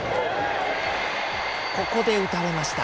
ここで打たれました。